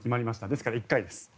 ですから１回です。